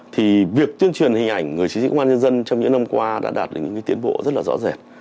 thì việc tuyên truyền hình ảnh người chí trí công an nhân dân trong những năm qua đã đạt được những tiến bộ rất là rõ rẻ